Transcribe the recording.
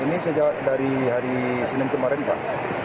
ini sejak dari hari senin kemarin pak